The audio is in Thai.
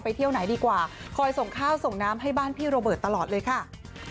เที่ยวไหนดีกว่าคอยส่งข้าวส่งน้ำให้บ้านพี่โรเบิร์ตตลอดเลยค่ะ